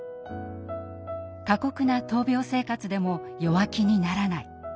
過酷な闘病生活でも弱気にならない。